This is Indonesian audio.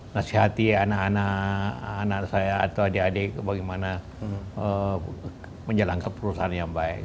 nasihati anak anak saya atau adik adik bagaimana menjalankan perusahaan yang baik